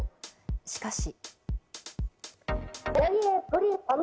しかし。